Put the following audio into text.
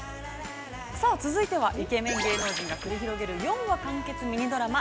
◆さあ、続いてはイケメン芸能人が繰り広げる、４話完結ミニドラマ。